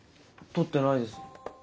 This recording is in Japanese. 取ってないです。